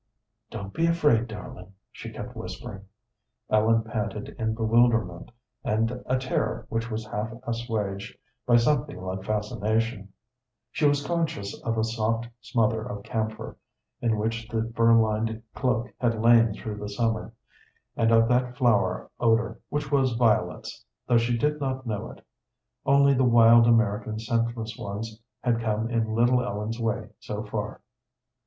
"Don't be afraid, darling," she kept whispering. Ellen panted in bewilderment, and a terror which was half assuaged by something like fascination. She was conscious of a soft smother of camphor, in which the fur lined cloak had lain through the summer, and of that flower odor, which was violets, though she did not know it. Only the wild American scentless ones had come in little Ellen's way so far.